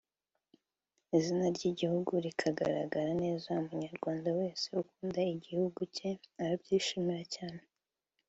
izina ry’igihugu rikagaragara neza umunyarwanda wese ukunda igihugu cye arabyishimira cyane